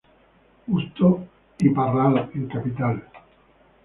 Justo y Parral, en Capital.